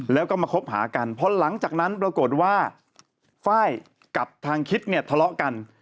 แล้วก็มาคบหากันพอหลังจากนั้นปรากฏว่าไฟล์กับทางคิดเนี่ยทะเลาะกัน